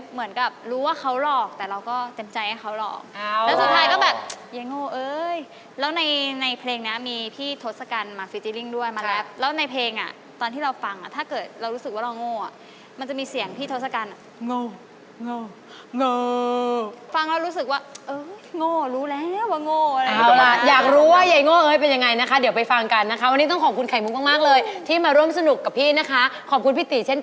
เหมือนกับรู้ว่าเขาหลอกแต่เราก็เต็มใจให้เขาหลอก